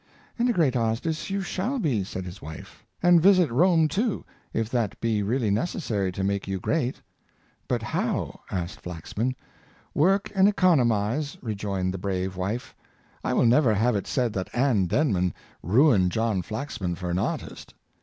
"And a great artist you shall be," said his wife, " and visit Rome, too, if that be really necessary to make you great." " But how? "asked Flaxman. '' Work and economize ^'^'' re joined the brave wife, " I will never have it said that Ann Denman ruined John Flaxman for an artist."